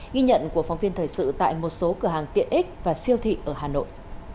ghi nhận của phóng viên thời sự tại một số cửa hàng tiện ích và siêu thị ở hà nội